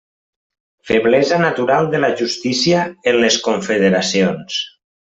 Feblesa natural de la justícia en les confederacions.